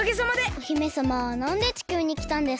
お姫さまはなんで地球にきたんですか？